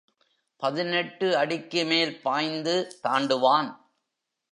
பதினெட்டு அடிக்கு மேல் பாய்ந்து தாண்டுவான்.